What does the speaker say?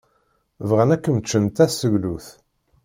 Bɣan ad kem-ččen d taseglut.